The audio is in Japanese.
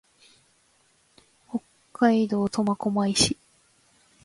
北海道苫小牧市